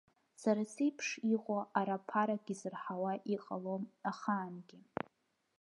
Сара сеиԥш иҟоу ара ԥарак изырҳауа иҟалом ахаангьы.